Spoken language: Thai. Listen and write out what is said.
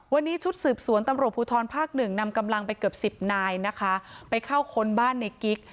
วันนี้ชุดสืบสวนตำรวจภูทรภาคหนึ่งนำกำลังไปเกือบสิบนายนะคะไปเข้าค้นบ้านในกิ๊ก